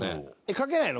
描けないの？